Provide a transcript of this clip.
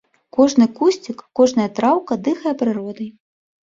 Кожны кусцік, кожная траўка дыхае прыродай.